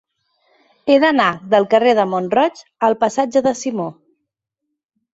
He d'anar del carrer de Mont-roig al passatge de Simó.